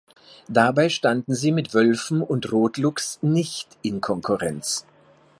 Dabei standen sie mit Wölfen und Rotluchs nicht in Konkurrenz.